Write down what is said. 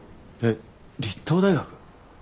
えっ立東大学？